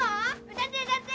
歌って歌って！